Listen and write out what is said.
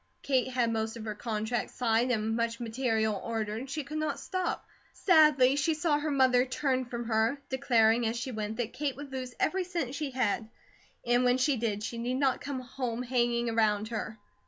Kate had most of her contracts signed and much material ordered, she could not stop. Sadly she saw her mother turn from her, declaring as she went that Kate would lose every cent she had, and when she did she need not come hanging around her.